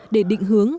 để định hướng